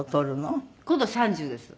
今度３０です。